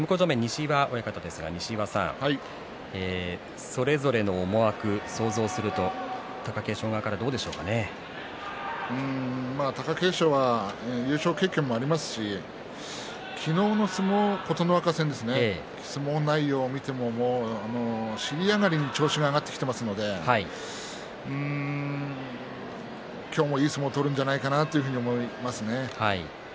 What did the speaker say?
西岩さん、それぞれの思惑を想像すると貴景勝は優勝経験もありますし昨日の琴ノ若戦相撲内容を見ても尻上がりに調子が上がってきていますので今日もいい相撲を取るんじゃないかなというふうに思いますね。